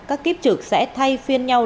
các kiếp trực sẽ thay phiên nhau